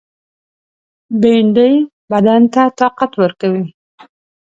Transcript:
بېنډۍ بدن ته طاقت ورکوي